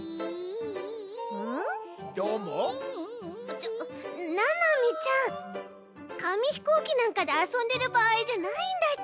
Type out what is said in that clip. ちょななみちゃんかみひこうきなんかであそんでるばあいじゃないんだち。